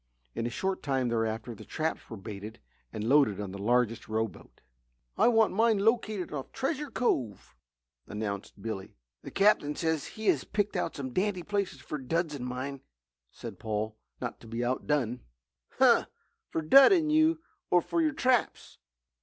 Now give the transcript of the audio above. In a short time thereafter the traps were baited and loaded on the largest rowboat. "I want mine located off Treasure Cove," announced Billy. "The Captain says he has picked out some dandy places for Dud's and mine," said Paul, not to be outdone. "Huh! for Dud and you or for your traps?"